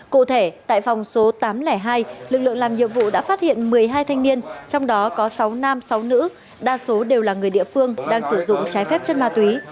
cụ thể tại phòng số tám trăm linh hai lực lượng làm nhiệm vụ đã phát hiện một mươi hai thanh niên trong đó có sáu nam sáu nữ đa số đều là người địa phương đang sử dụng trái phép chất ma túy